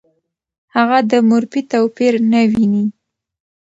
هغه د مورفي توپیر نه ویني.